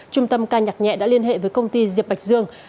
trung tâm ca nhạc nhẹ đã liên hệ với công ty diệp bạch dương